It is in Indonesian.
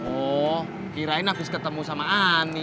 oh kirain abis ketemu sama ani